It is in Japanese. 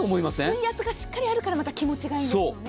水圧がしっかりあるからまた気持ちがいいんですよね。